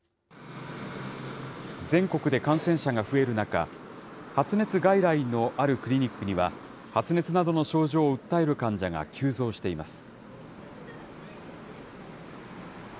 全国で感染者が増える中、発熱外来のあるクリニックには、発熱などの症状を訴える患者が急増しています。